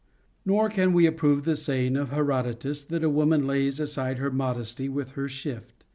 Nor can we approve the saying of Herodotus, that a woman lays aside her modesty with her shift.